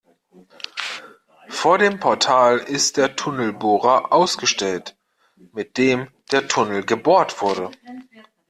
Vor dem Portal ist der Tunnelbohrer ausgestellt, mit dem der Tunnel gebohrt wurde.